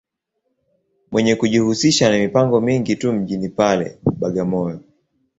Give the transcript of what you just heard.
Mwenye kujihusisha ma mipango mingi tu mjini pale, Bagamoyo.